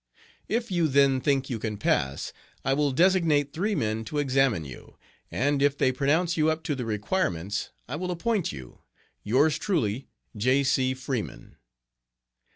If you then think you can pass, I will designate three men to examine you, and if they pronounce you up to the requirements I will appoint you. Yours truly, J. C. FREEMAN.